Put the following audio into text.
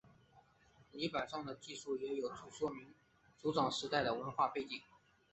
泥版上的记述也有助说明族长时代的文化背景。